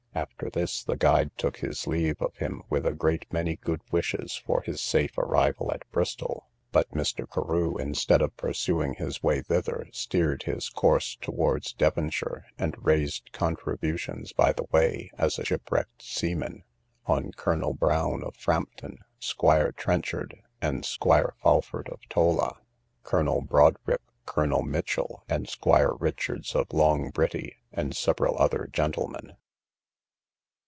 After this, the guide took his leave of him with a great many good wishes for his safe arrival at Bristol; but Mr. Carew, instead of pursuing his way thither, steered his course towards Devonshire, and raised contributions by the way, as a shipwrecked seaman, on Colonel Brown of Framton, Squire Trenchard, and Squire Falford of Tolla, Colonel Broadrip, Colonel Mitchell, and Squire Richards of Long Britty, and several other gentlemen.